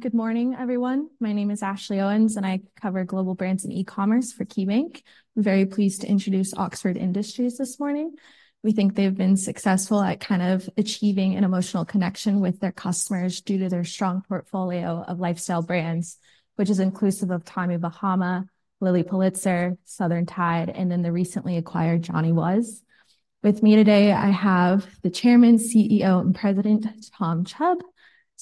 Good morning, everyone. My name is Ashley Owens, and I cover global brands and e-commerce for KeyBanc. I'm very pleased to introduce Oxford Industries this morning. We think they've been successful at kind of achieving an emotional connection with their customers due to their strong portfolio of lifestyle brands, which is inclusive of Tommy Bahama, Lilly Pulitzer, Southern Tide, and then the recently acquired Johnny Was. With me today, I have the Chairman, CEO, and President, Tom Chubb.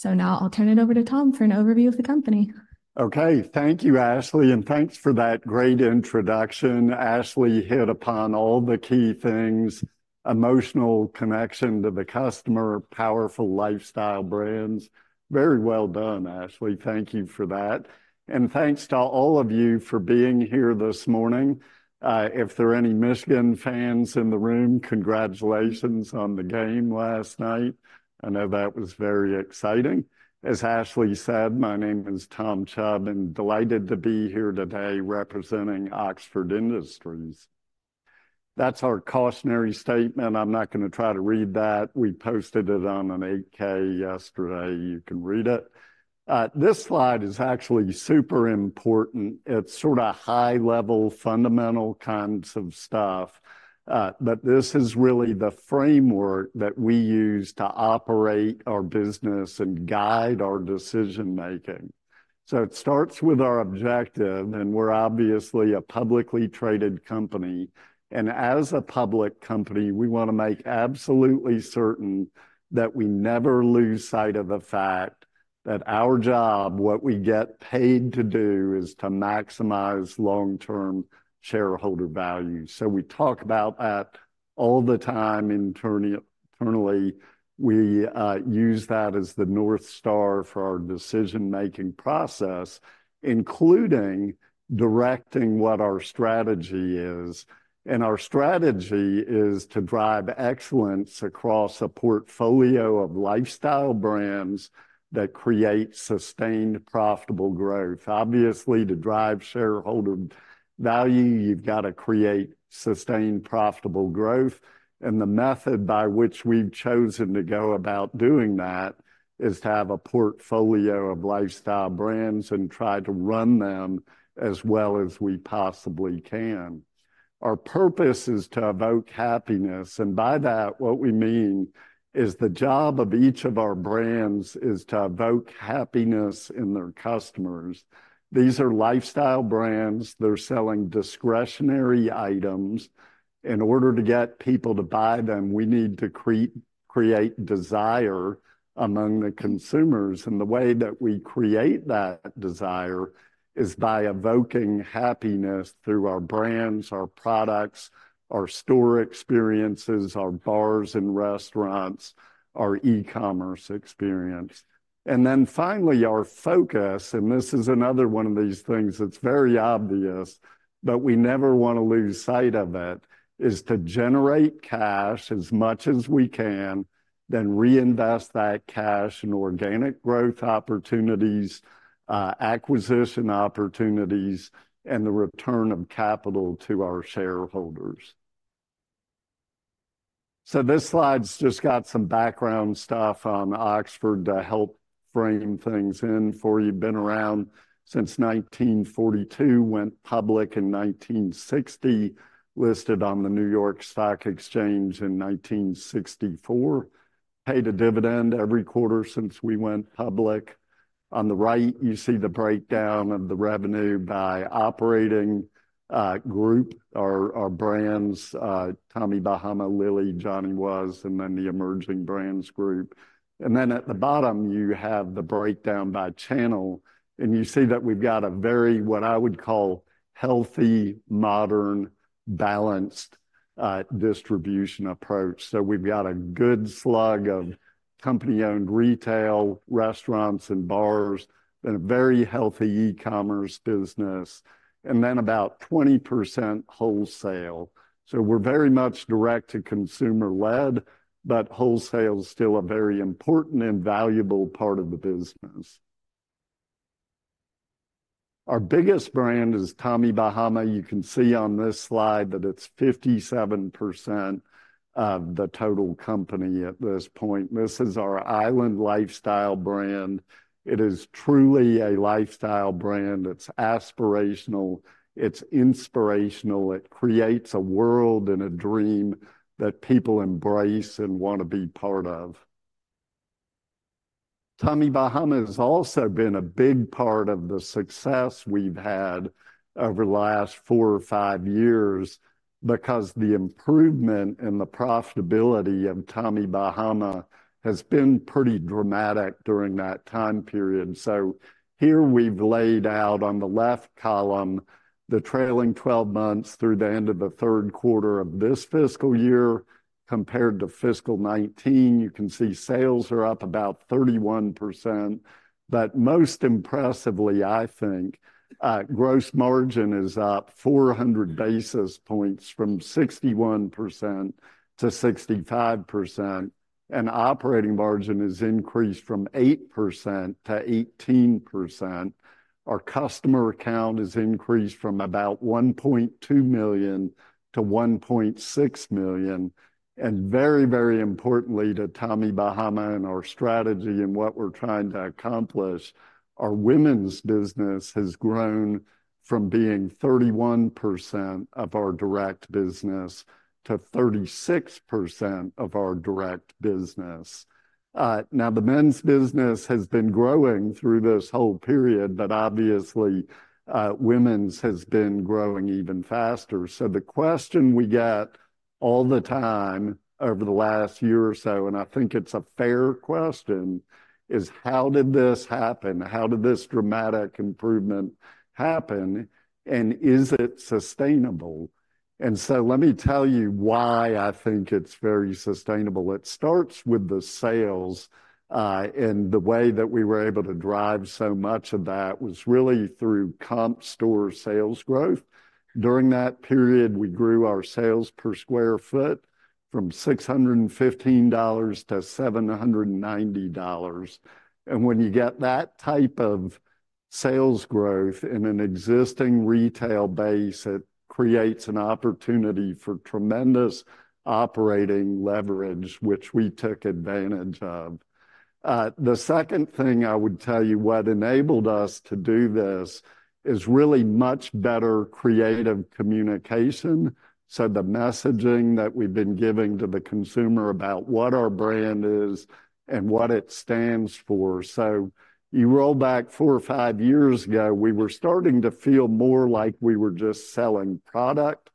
Now I'll turn it over to Tom for an overview of the company. Okay. Thank you, Ashley, and thanks for that great introduction. Ashley hit upon all the key things: emotional connection to the customer, powerful lifestyle brands. Very well done, Ashley. Thank you for that. And thanks to all of you for being here this morning. If there are any Michigan fans in the room, congratulations on the game last night. I know that was very exciting. As Ashley said, my name is Tom Chubb, and delighted to be here today representing Oxford Industries. That's our cautionary statement. I'm not gonna try to read that. We posted it on an 8-K yesterday. You can read it. This slide is actually super important. It's sort of high-level, fundamental kinds of stuff, but this is really the framework that we use to operate our business and guide our decision-making. It starts with our objective, and we're obviously a publicly traded company. As a public company, we wanna make absolutely certain that we never lose sight of the fact that our job, what we get paid to do, is to maximize long-term shareholder value. We talk about that all the time internally, internally. We use that as the North Star for our decision-making process, including directing what our strategy is, and our strategy is to drive excellence across a portfolio of lifestyle brands that create sustained, profitable growth. Obviously, to drive shareholder value, you've got to create sustained, profitable growth, and the method by which we've chosen to go about doing that is to have a portfolio of lifestyle brands and try to run them as well as we possibly can. Our purpose is to evoke happiness, and by that, what we mean is the job of each of our brands is to evoke happiness in their customers. These are lifestyle brands. They're selling discretionary items. In order to get people to buy them, we need to create desire among the consumers, and the way that we create that desire is by evoking happiness through our brands, our products, our store experiences, our bars and restaurants, our e-commerce experience. And then finally, our focus, and this is another one of these things that's very obvious, but we never wanna lose sight of it, is to generate cash as much as we can, then reinvest that cash in organic growth opportunities, acquisition opportunities, and the return of capital to our shareholders. So this slide's just got some background stuff on Oxford to help frame things in for you. Been around since 1942, went public in 1960, listed on the New York Stock Exchange in 1964. Paid a dividend every quarter since we went public. On the right, you see the breakdown of the revenue by operating, group. Our, our brands, Tommy Bahama, Lilly, Johnny Was, and then the Emerging Brands group. And then at the bottom, you have the breakdown by channel, and you see that we've got a very, what I would call, healthy, modern, balanced, distribution approach. So we've got a good slug of company-owned retail, restaurants and bars, and a very healthy e-commerce business, and then about 20% wholesale. So we're very much direct-to-consumer led, but wholesale is still a very important and valuable part of the business. Our biggest brand is Tommy Bahama. You can see on this slide that it's 57% of the total company at this point. This is our island lifestyle brand. It is truly a lifestyle brand. It's aspirational, it's inspirational, it creates a world and a dream that people embrace and want to be part of. Tommy Bahama has also been a big part of the success we've had over the last 4 or 5 years because the improvement in the profitability of Tommy Bahama has been pretty dramatic during that time period. So here we've laid out on the left column, the trailing twelve months through the end of the third quarter of this fiscal year compared to fiscal 2019. You can see sales are up about 31%, but most impressively, I think, gross margin is up 400 basis points from 61% to 65%. Operating margin has increased from 8%-18%. Our customer account has increased from about 1.2 million-1.6 million. And very, very importantly to Tommy Bahama and our strategy and what we're trying to accomplish, our women's business has grown from being 31%-36% of our direct business. Now, the men's business has been growing through this whole period, but obviously, women's has been growing even faster. So the question we get all the time over the last year or so, and I think it's a fair question, is: How did this happen? How did this dramatic improvement happen, and is it sustainable? And so let me tell you why I think it's very sustainable. It starts with the sales, and the way that we were able to drive so much of that was really through comp store sales growth. During that period, we grew our sales per square foot from $615-$790. When you get that type of sales growth in an existing retail base, it creates an opportunity for tremendous operating leverage, which we took advantage of. The second thing I would tell you, what enabled us to do this, is really much better creative communication, so the messaging that we've been giving to the consumer about what our brand is and what it stands for. You roll back four or five years ago, we were starting to feel more like we were just selling product.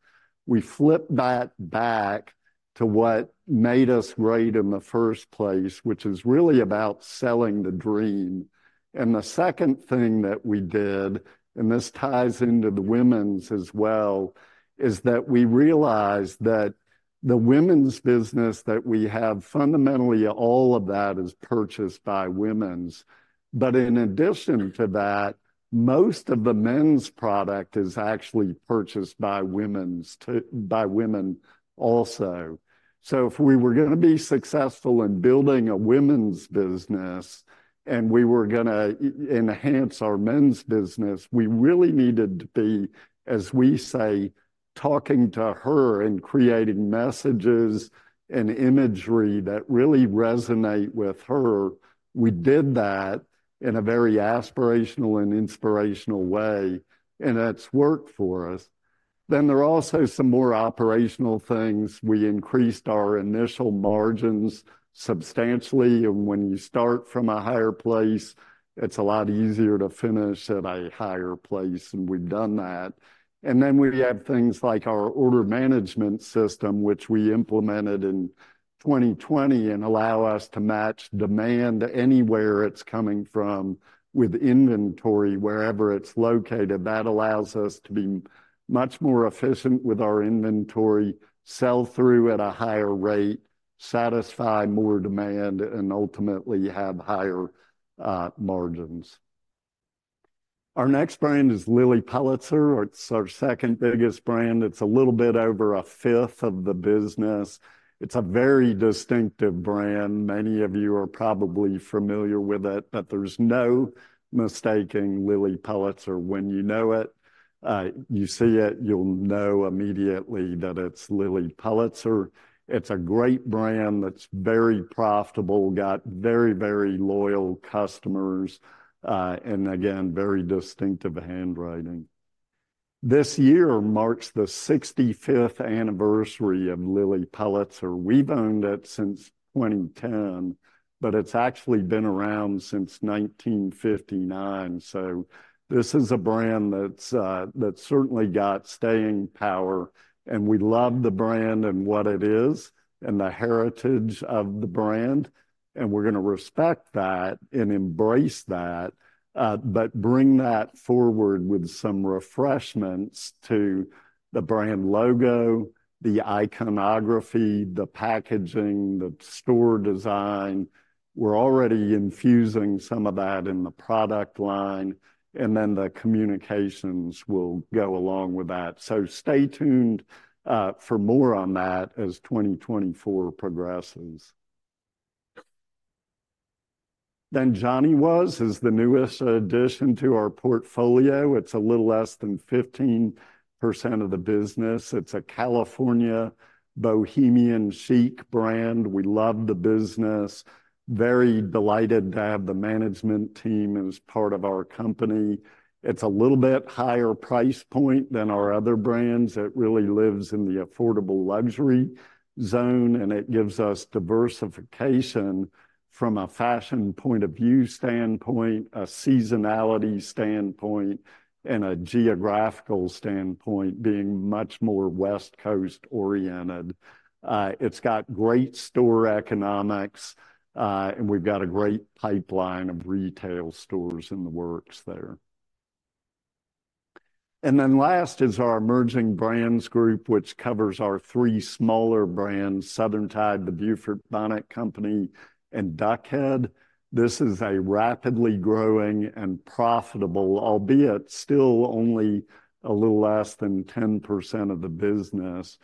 We flipped that back to what made us great in the first place, which is really about selling the dream. The second thing that we did, and this ties into the women's as well, is that we realized that the women's business that we have, fundamentally, all of that is purchased by women. But in addition to that, most of the men's product is actually purchased by women also. So if we were gonna be successful in building a women's business, and we were gonna enhance our men's business, we really needed to be, as we say, talking to her and creating messages and imagery that really resonate with her. We did that in a very aspirational and inspirational way, and it's worked for us. Then there are also some more operational things. We increased our initial margins substantially, and when you start from a higher place, it's a lot easier to finish at a higher place, and we've done that. And then we have things like our order management system, which we implemented in 2020, and allow us to match demand anywhere it's coming from with inventory, wherever it's located. That allows us to be much more efficient with our inventory, sell through at a higher rate, satisfy more demand, and ultimately have higher margins. Our next brand is Lilly Pulitzer. It's our second biggest brand. It's a little bit over a fifth of the business. It's a very distinctive brand. Many of you are probably familiar with it, but there's no mistaking Lilly Pulitzer when you know it. You see it, you'll know immediately that it's Lilly Pulitzer. It's a great brand that's very profitable, got very, very loyal customers, and again, very distinctive handwriting. This year marks the 65th anniversary of Lilly Pulitzer. We've owned it since 2010, but it's actually been around since 1959. So this is a brand that's, that's certainly got staying power, and we love the brand and what it is and the heritage of the brand, and we're gonna respect that and embrace that, but bring that forward with some refreshments to the brand logo, the iconography, the packaging, the store design. We're already infusing some of that in the product line, and then the communications will go along with that. So stay tuned, for more on that as 2024 progresses. Then Johnny Was is the newest addition to our portfolio. It's a little less than 15% of the business. It's a California bohemian chic brand. We love the business. Very delighted to have the management team as part of our company. It's a little bit higher price point than our other brands. It really lives in the affordable luxury zone, and it gives us diversification from a fashion point of view standpoint, a seasonality standpoint, and a geographical standpoint, being much more West Coast-oriented. It's got great store economics, and we've got a great pipeline of retail stores in the works there. And then last is our Emerging Brands Group, which covers our three smaller brands: Southern Tide, The Beaufort Bonnet Company, and Duck Head. This is a rapidly growing and profitable, albeit still only a little less than 10% of the business....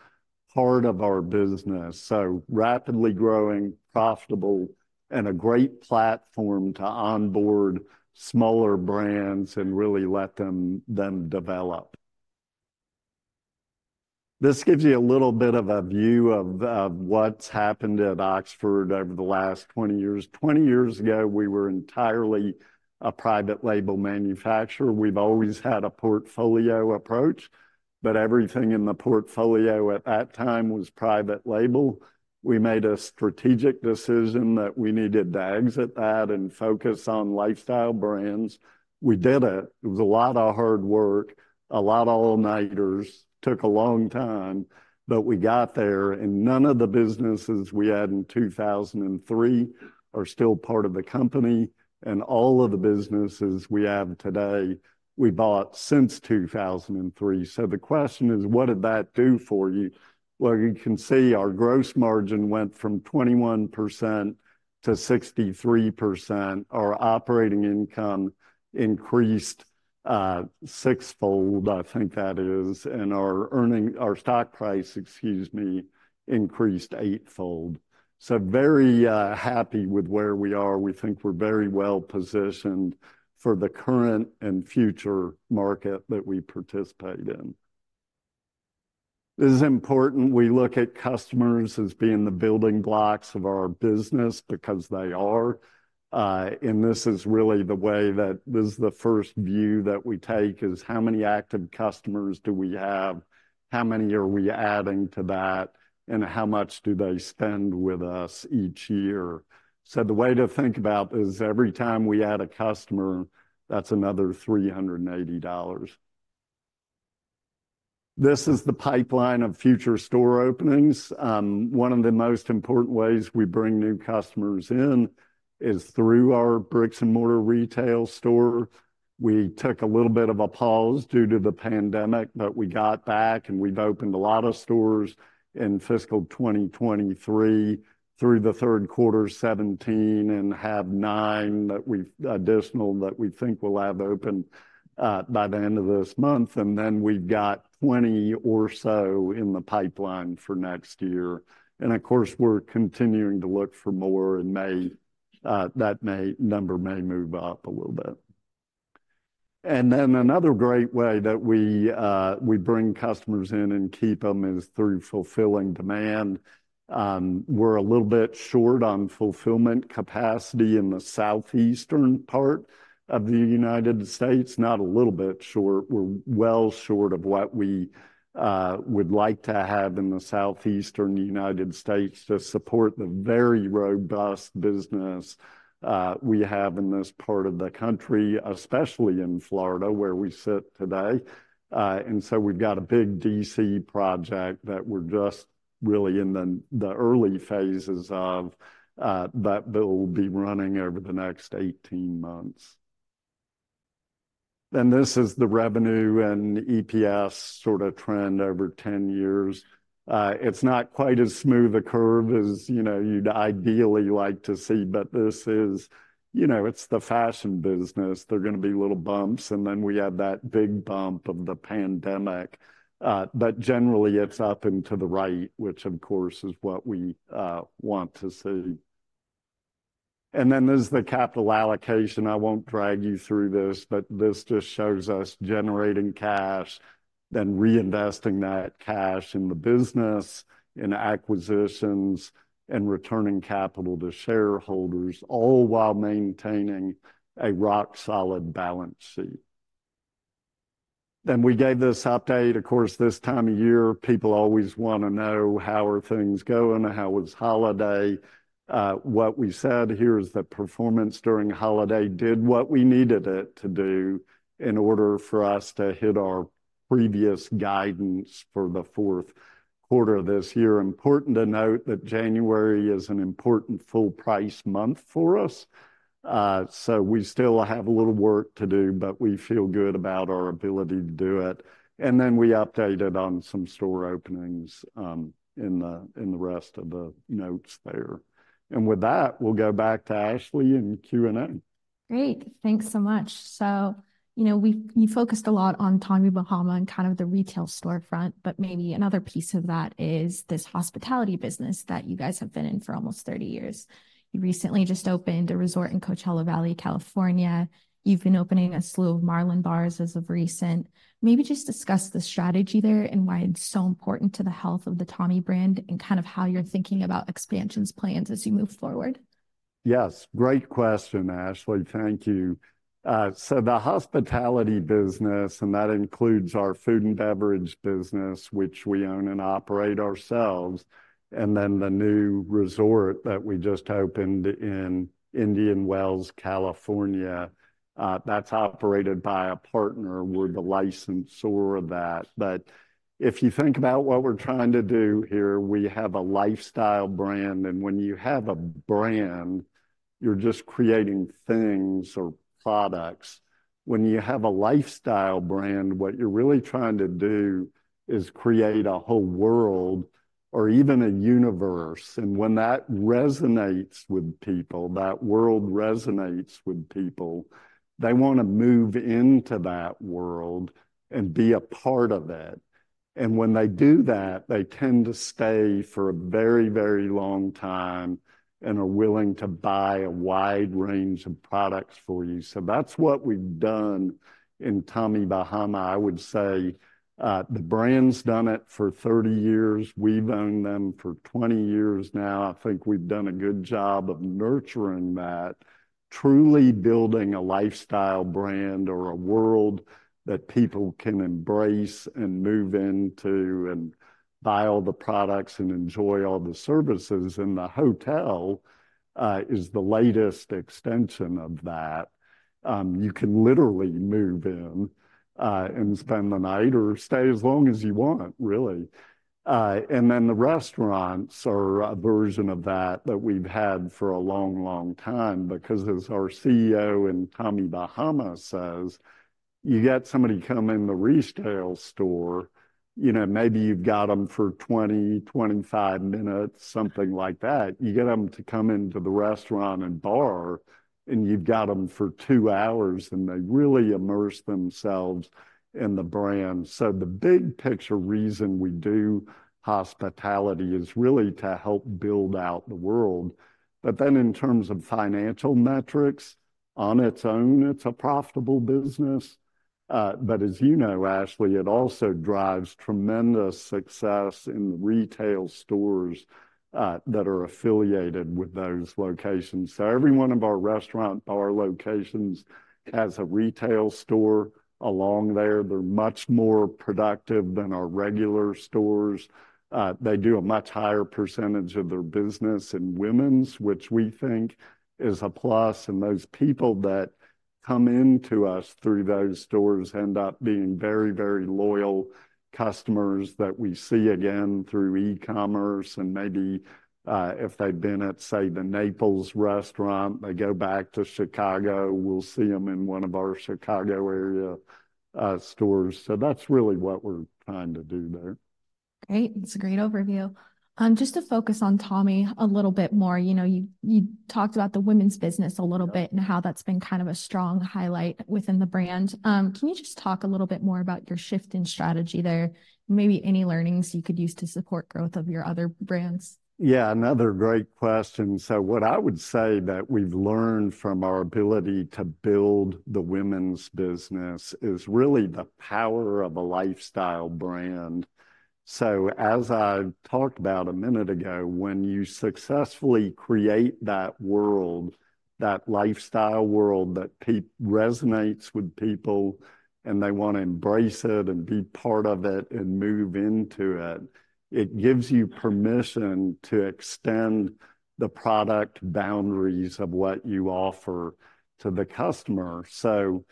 part of our business, so rapidly growing, profitable, and a great platform to onboard smaller brands and really let them develop. This gives you a little bit of a view of what's happened at Oxford over the last 20 years. 20 years ago, we were entirely a private label manufacturer. We've always had a portfolio approach, but everything in the portfolio at that time was private label. We made a strategic decision that we needed to exit that and focus on lifestyle brands. We did it. It was a lot of hard work, a lot of all-nighters. Took a long time, but we got there, and none of the businesses we had in 2003 are still part of the company, and all of the businesses we have today, we bought since 2003. So the question is: What did that do for you? Well, you can see our gross margin went from 21% to 63%. Our operating income increased sixfold, I think that is, and our earning—our stock price, excuse me, increased eightfold. So very happy with where we are. We think we're very well-positioned for the current and future market that we participate in. This is important. We look at customers as being the building blocks of our business because they are. And this is really the way that... This is the first view that we take, is how many active customers do we have? How many are we adding to that, and how much do they spend with us each year? So the way to think about is every time we add a customer, that's another $380. This is the pipeline of future store openings. One of the most important ways we bring new customers in is through our bricks-and-mortar retail store. We took a little bit of a pause due to the pandemic, but we got back, and we've opened a lot of stores in fiscal 2023, through the third quarter, 17, and have nine additional that we think we'll have open by the end of this month. And then we've got 20 or so in the pipeline for next year. And of course, we're continuing to look for more in May. That number may move up a little bit. And then another great way that we bring customers in and keep them is through fulfilling demand. We're a little bit short on fulfillment capacity in the southeastern part of the United States. Not a little bit short. We're well short of what we would like to have in the southeastern United States to support the very robust business we have in this part of the country, especially in Florida, where we sit today. And so we've got a big DC project that we're just really in the early phases of, but that will be running over the next 18 months. Then this is the revenue and EPS sort of trend over 10 years. It's not quite as smooth a curve as, you know, you'd ideally like to see, but this is, you know, it's the fashion business. There are gonna be little bumps, and then we have that big bump of the pandemic, but generally, it's up and to the right, which, of course, is what we want to see. And then there's the capital allocation. I won't drag you through this, but this just shows us generating cash, then reinvesting that cash in the business, in acquisitions, and returning capital to shareholders, all while maintaining a rock-solid balance sheet. Then we gave this update. Of course, this time of year, people always wanna know: How are things going? How was holiday? What we said here is that performance during holiday did what we needed it to do in order for us to hit our previous guidance for the fourth quarter of this year. Important to note that January is an important full-price month for us. So we still have a little work to do, but we feel good about our ability to do it. And then we updated on some store openings, in the, in the rest of the notes there. And with that, we'll go back to Ashley and the Q&A. Great, thanks so much. So, you know, you focused a lot on Tommy Bahama and kind of the retail storefront, but maybe another piece of that is this hospitality business that you guys have been in for almost 30 years. You recently just opened a resort in Coachella Valley, California. You've been opening a slew of Marlin Bars as of recent. Maybe just discuss the strategy there and why it's so important to the health of the Tommy brand and kind of how you're thinking about expansion plans as you move forward. Yes, great question, Ashley. Thank you. So the hospitality business, and that includes our food and beverage business, which we own and operate ourselves, and then the new resort that we just opened in Indian Wells, California, that's operated by a partner. We're the licensor of that. But if you think about what we're trying to do here, we have a lifestyle brand, and when you have a brand, you're just creating things or products. When you have a lifestyle brand, what you're really trying to do is create a whole world or even a universe. And when that resonates with people, that world resonates with people, they wanna move into that world and be a part of that.... And when they do that, they tend to stay for a very, very long time and are willing to buy a wide range of products for you. So that's what we've done in Tommy Bahama. I would say, the brand's done it for 30 years. We've owned them for 20 years now. I think we've done a good job of nurturing that, truly building a lifestyle brand or a world that people can embrace and move into and buy all the products and enjoy all the services, and the hotel is the latest extension of that. You can literally move in, and spend the night or stay as long as you want, really. And then the restaurants are a version of that, that we've had for a long, long time because as our CEO in Tommy Bahama says, "You get somebody to come in the retail store, you know, maybe you've got 'em for 20, 25 minutes, something like that. You get them to come into the restaurant and bar, and you've got them for two hours, and they really immerse themselves in the brand." So the big-picture reason we do hospitality is really to help build out the world. But then in terms of financial metrics, on its own, it's a profitable business. But as you know, Ashley, it also drives tremendous success in the retail stores, that are affiliated with those locations. So every one of our restaurant bar locations has a retail store along there. They're much more productive than our regular stores. They do a much higher percentage of their business in women's, which we think is a plus, and those people that come into us through those stores end up being very, very loyal customers that we see again through e-commerce. Maybe, if they've been at, say, the Naples restaurant, they go back to Chicago, we'll see 'em in one of our Chicago area stores. That's really what we're trying to do there. Great! That's a great overview. Just to focus on Tommy a little bit more, you know, you talked about the women's business a little bit and how that's been kind of a strong highlight within the brand. Can you just talk a little bit more about your shift in strategy there, maybe any learnings you could use to support growth of your other brands? Yeah, another great question. So what I would say that we've learned from our ability to build the women's business is really the power of a lifestyle brand. So as I talked about a minute ago, when you successfully create that world, that lifestyle world, that resonates with people, and they wanna embrace it and be part of it and move into it, it gives you permission to extend the product boundaries of what you offer to the customer. So,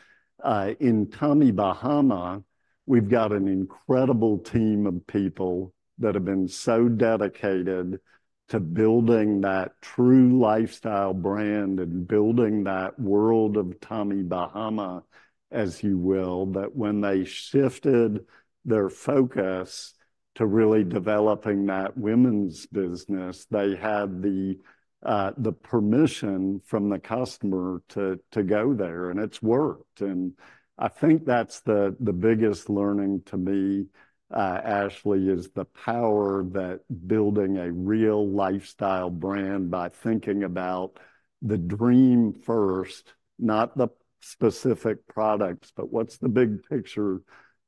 in Tommy Bahama, we've got an incredible team of people that have been so dedicated to building that true lifestyle brand and building that world of Tommy Bahama, as you will, that when they shifted their focus to really developing that women's business, they had the permission from the customer to go there, and it's worked. I think that's the biggest learning to me, Ashley, is the power that building a real lifestyle brand by thinking about the dream first, not the specific products, but what's the big-picture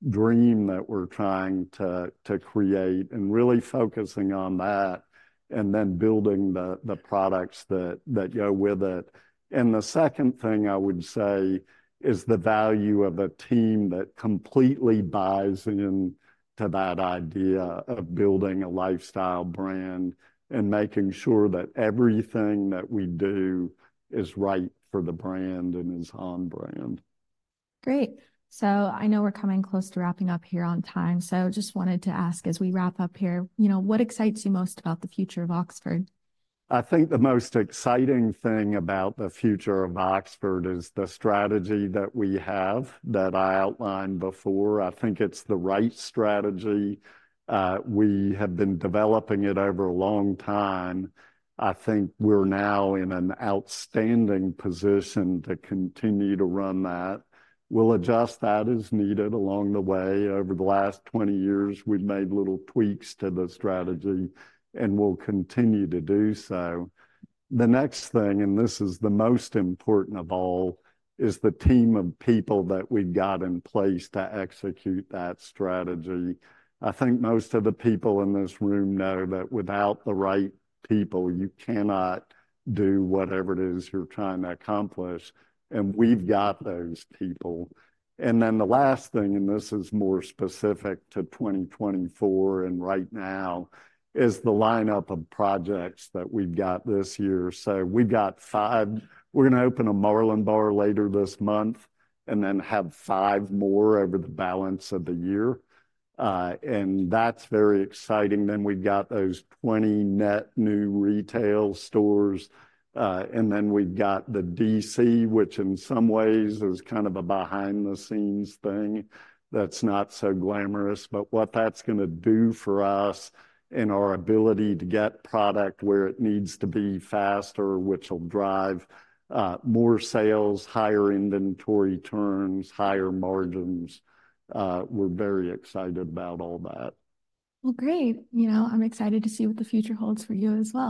dream that we're trying to create, and really focusing on that, and then building the products that go with it. The second thing I would say is the value of a team that completely buys into that idea of building a lifestyle brand and making sure that everything that we do is right for the brand and is on brand. Great. So I know we're coming close to wrapping up here on time, so just wanted to ask as we wrap up here, you know, what excites you most about the future of Oxford? I think the most exciting thing about the future of Oxford is the strategy that we have, that I outlined before. I think it's the right strategy. We have been developing it over a long time. I think we're now in an outstanding position to continue to run that. We'll adjust that as needed along the way. Over the last 20 years, we've made little tweaks to the strategy, and we'll continue to do so. The next thing, and this is the most important of all, is the team of people that we've got in place to execute that strategy. I think most of the people in this room know that without the right people, you cannot do whatever it is you're trying to accomplish, and we've got those people. And then the last thing, and this is more specific to 2024 and right now, is the lineup of projects that we've got this year. So we've got 5... We're gonna open a Marlin Bar later this month, and then have 5 more over the balance of the year, and that's very exciting. Then we've got those 20 net new retail stores, and then we've got the DC, which in some ways is kind of a behind-the-scenes thing that's not so glamorous. But what that's gonna do for us and our ability to get product where it needs to be faster, which'll drive, more sales, higher inventory turns, higher margins, we're very excited about all that. Well, great. You know, I'm excited to see what the future holds for you as well.